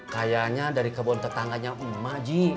kayaknya dari kebun tetangganya emak ji